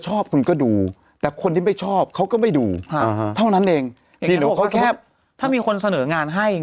ชอบคุณก็ดูแต่คนที่ไม่ชอบเขาก็ไม่ดูเท่านั้นเองถ้ามีคนเสนองานให้อย่าง